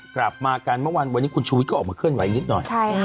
กลับมากันเมื่อวานวันนี้คุณชูวิทก็ออกมาเคลื่อนไหวนิดหน่อย